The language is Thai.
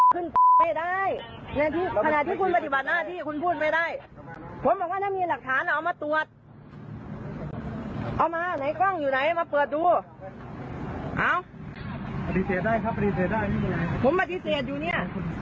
เปิดดูเอาปฏิเสธได้ครับปฏิเสธได้ผมปฏิเสธดูเนี้ย